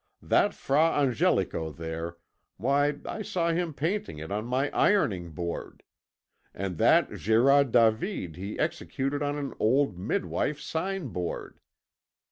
That Fra Angelico there, why I saw him painting it on my ironing board, and that Gérard David he executed on an old midwife's sign board.